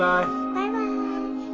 バイバイ。